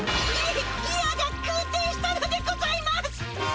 ギギアが空転したのでございます！